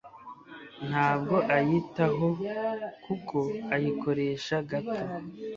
ntabwo ayitaho kuko ayikoresha gato